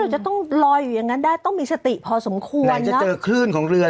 จะต้องลอยอยู่อย่างนั้นได้ต้องมีสติพอสมควรกว่าจะเจอคลื่นของเรือ